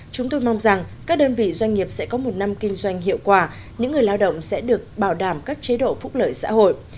chúng tôi mong rằng các đơn vị doanh nghiệp sẽ có một năm kinh doanh hiệu quả những người lao động sẽ được bảo đảm các chế độ phúc lợi xã hội